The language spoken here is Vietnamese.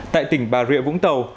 tại tỉnh bà rịa vũng tàu